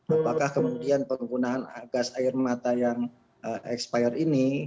apakah kemudian penggunaan gas air mata yang expired ini